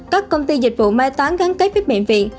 các công ty dịch vụ mai táng gắn kết với bệnh viện